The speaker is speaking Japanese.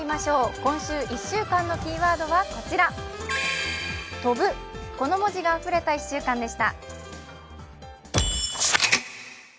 今週１週間のキーワードはこちら、「飛」、この文字があふれた１週間でした。